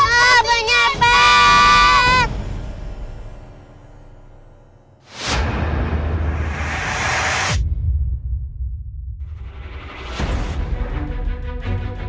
terus ini keren juga